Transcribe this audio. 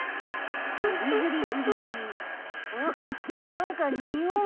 なんかにおう。